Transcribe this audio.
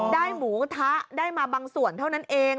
หมูกระทะได้มาบางส่วนเท่านั้นเอง